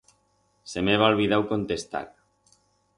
Se m'heba olbidau contestar.